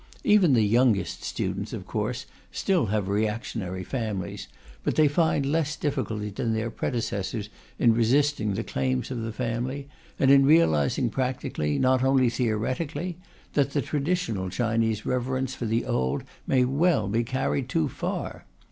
Even the youngest students, of course, still have reactionary families, but they find less difficulty than their predecessors in resisting the claims of the family, and in realizing practically, not only theoretically, that the traditional Chinese reverence for the old may well be carried too far.